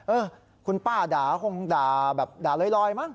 เออคุณป้าด่าคงด่าแบบด่าลอยมั้